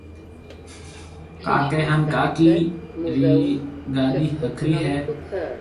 ڪاڪي هانَ ڪاڪِي رِي گاڏِي هَکرِي هيَ۔